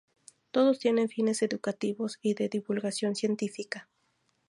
Todos tienen fines educativos y de divulgación científica.